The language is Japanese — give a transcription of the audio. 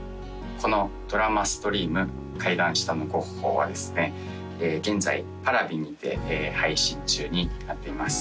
このドラマストリーム「階段下のゴッホ」はですね現在Ｐａｒａｖｉにて配信中になっています